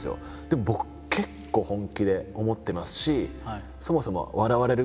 でも僕結構本気で思ってますし。